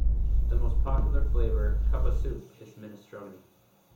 The most popular flavour "Cup A Soup" is Minestrone.